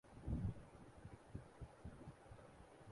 Europa football league Arsenal اور Atletico Madrid کے درمیان میچ برابر